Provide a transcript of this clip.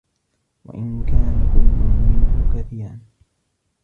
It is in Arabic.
وَإِنْ كَانَ كُلٌّ مِنْهُ كَثِيرًا